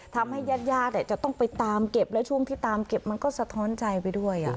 ทำให้ญาติจะต้องไปตามเก็บและช่วงที่ตามเก็บมันก็สะท้อนใจไปด้วย